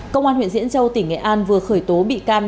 công an huyện diễn châu tỉnh nghệ an vừa khởi tố bị can